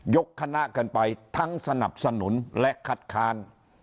คณะกันไปทั้งสนับสนุนและคัดค้าน